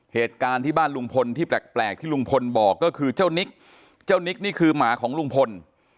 เหตุการณ์ที่บ้านลุงพลที่แปลกที่ลุงพลบอกก็คือเจ้านิกเจ้านิกนี่คือหมาของลุงพล